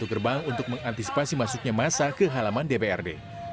pintu gerbang untuk mengantisipasi masuknya masa ke halaman dprd